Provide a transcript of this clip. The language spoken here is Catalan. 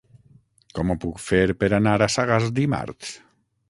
Com ho puc fer per anar a Sagàs dimarts?